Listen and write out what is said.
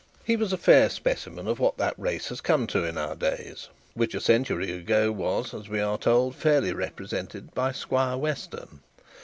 He was a fair specimen of what that race has come to in our days, which a century ago was, as we are told, fairly represented by Squire Western.